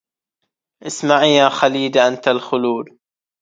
اسمعي يا خليد أنت الخلود